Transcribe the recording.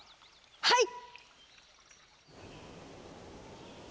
はい！